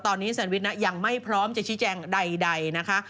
ตอนนี้แซนวิชยังไม่พร้อมจะชี้แจงใดนะคะ